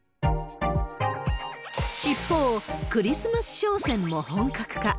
一方、クリスマス商戦も本格化。